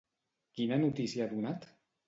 Quina notícia ha donat?